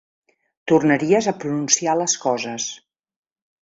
Tornaries a pronunciar les coses.